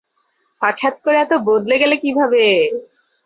হঠাৎ করে এত বদলে গেলে কিভাবে?